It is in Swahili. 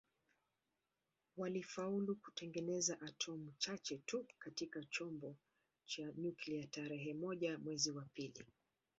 Walifaulu kutengeneza atomi chache tu katika chombo cha nyuklia tarehe moja mwezi wa pili